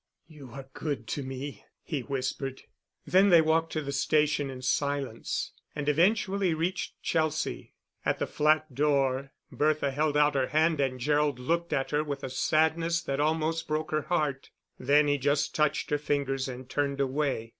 "You are good to me," he whispered. Then they walked to the station in silence; and eventually reached Chelsea. At the flat door Bertha held out her hand and Gerald looked at her with a sadness that almost broke her heart, then he just touched her fingers and turned away.